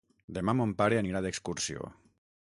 Demà mon pare anirà d'excursió.